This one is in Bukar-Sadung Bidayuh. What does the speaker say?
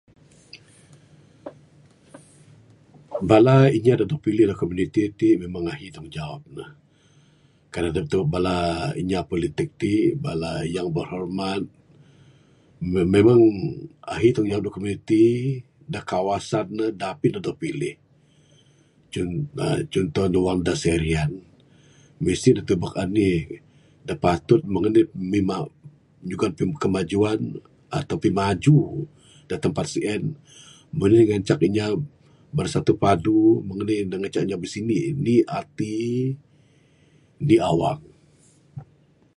Bala inya da dog pilih da komuniti ti memang ahi tanggungjawab ne kan adep tubek bala inya politik ti bala yang berhormat memang ahi inya da komuniti da kawasan ne dapih dog pilih cun aaa cunto ne da serian mesti ne tubek meng anih da patut nerima nyugon kemajuan ataupun pimaju da tempat sien meng anih ngancak inya bersatu padu meng anih ne ngancak inya bisindi indi ati Indi awang.